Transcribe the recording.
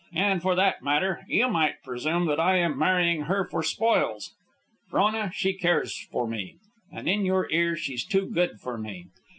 And for that matter, you might presume that I am marrying her for spoils. Frona, she cares for me, and in your ear, she's too good for me.